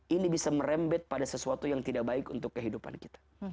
ini bisa merembet pada sesuatu yang tidak baik untuk kehidupan kita